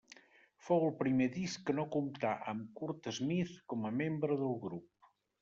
Fou el primer disc que no comptà amb Curt Smith com a membre del grup.